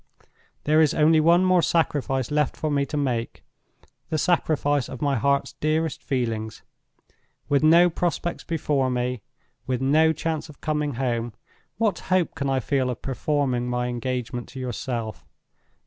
"There is only one more sacrifice left for me to make—the sacrifice of my heart's dearest feelings. With no prospects before me, with no chance of coming home, what hope can I feel of performing my engagement to yourself?